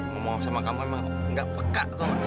ngomong sama kamu memang nggak peka tau nggak